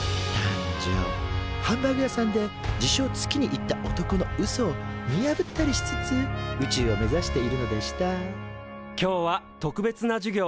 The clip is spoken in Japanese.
ハンバーグ屋さんで自称月に行った男のうそを見破ったりしつつ宇宙を目指しているのでした今日は特別な授業をしますよ。